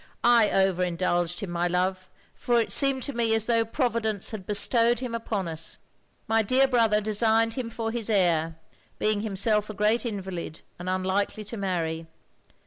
" I over indulged him, my love, for it seemed to me as though Providence had bestowed him upon us. My dear brother designed him for his heir; being himself a great invalid, and unlikely to marry.